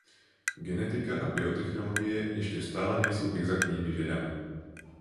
Genetika a biotechnologie ještě stále nejsou exaktními vědami.